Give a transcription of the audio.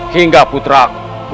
hingga putra aku